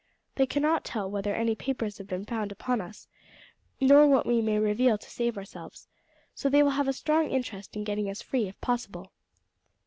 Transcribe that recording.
They cannot tell whether any papers have been found upon us, nor what we may reveal to save ourselves, so they will have a strong interest in getting us free if possible."